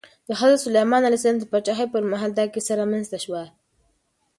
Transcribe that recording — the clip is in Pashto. د حضرت سلیمان علیه السلام د پاچاهۍ پر مهال دا کیسه رامنځته شوه.